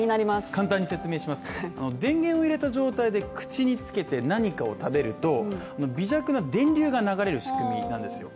簡単に説明します、電源を入れた状態で口につけて何かを食べると、微弱な電流が流れる仕組みなんですよ。